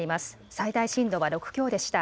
最大震度は６強でした。